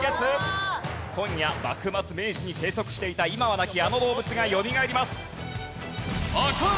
今夜幕末・明治に生息していた今は亡きあの動物がよみがえります！